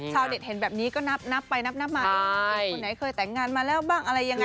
เด็ดเห็นแบบนี้ก็นับไปนับมาเองคนไหนเคยแต่งงานมาแล้วบ้างอะไรยังไง